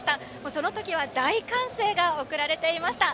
その時は大歓声が送られていました。